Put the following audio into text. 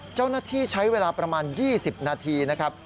เจ้าหน้าที่ใช้เวลาประมาณ๒๐นาทีนะครับ